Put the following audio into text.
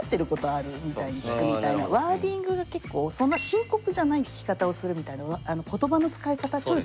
ワーディングが結構そんな深刻じゃない聞き方をするみたいな言葉の使い方チョイス